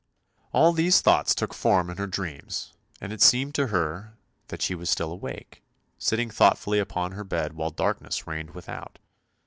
All these thoughts took form in her dreams, and it seemed to her that she was still awake, sitting thoughtfully upon her bed while darkness reigned without.